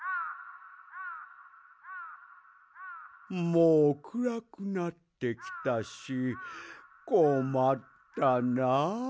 もうくらくなってきたしこまったなあ。